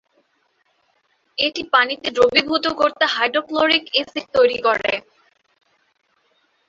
এটি পানিতে দ্রবীভূত করতে হাইড্রোক্লোরিক অ্যাসিড তৈরি করে।